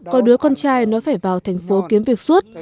có đứa con trai nó phải vào thành phố kiếm việc suốt